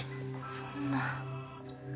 そんな。